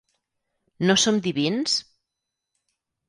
No som divins?